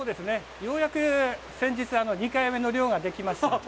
ようやく先日、２回目の漁ができました。